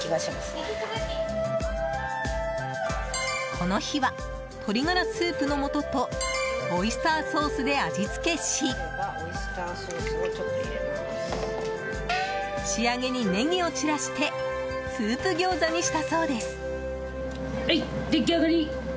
この日は、鶏ガラスープの素とオイスターソースで味付けし仕上げにネギを散らしてスープ餃子にしたそうです。